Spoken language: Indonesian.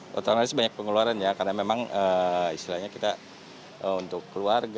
pertama sih banyak pengeluaran ya karena memang istilahnya kita untuk keluarga